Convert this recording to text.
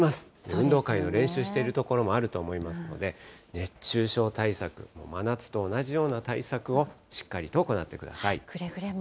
運動会の練習している所もあると思いますので、熱中症対策、もう真夏と同じような対策をしっかりと行ってください。